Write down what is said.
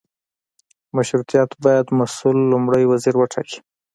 مشروطیت باید مسوول لومړی وزیر وټاکي.